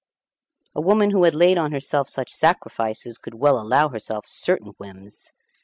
A woman who had laid on herself such sacrifices could well allow herself certain whims.